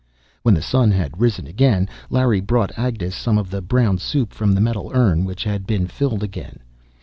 When the "sun" had risen again, Larry brought Agnes some of the brown soup from the metal urn, which had been filled again.